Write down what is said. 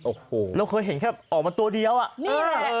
โอ้โหเราเคยเห็นแค่ออกมาตัวเดียวอ่ะนี่แหละเออ